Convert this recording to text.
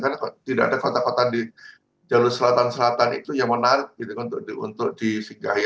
karena tidak ada kota kota di jalur selatan selatan itu yang menarik gitu kan untuk disinggahin